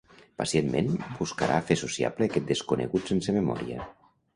Pacientment buscarà fer sociable aquest desconegut sense memòria.